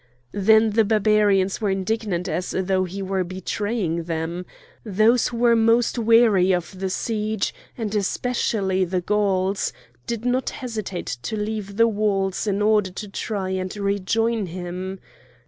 Then the Barbarians were indignant as though he were betraying them. Those who were most weary of the siege, and especially the Gauls, did not hesitate to leave the walls in order to try and rejoin him.